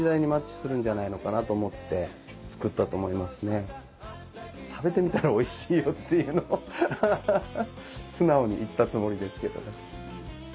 ブルースとかジャズとか食べてみたらおいしいよっていうのを素直に言ったつもりですけどね。